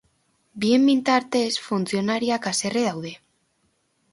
Bien bitartez, funtzionariak haserre daude.